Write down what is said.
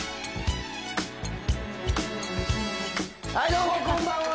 どうもこんばんは。